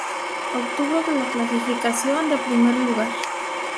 Obtuvo la clasificación de primer lugar.